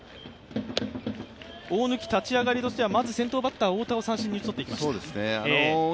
大貫、立ち上がりとしては先頭バッターを三振に打ち取りました。